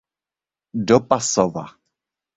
Do Pasova.